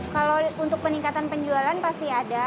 kalau untuk peningkatan penjualan pasti ada